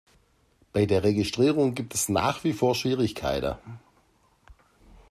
Bei der Registrierung gibt es nach wie vor Schwierigkeiten.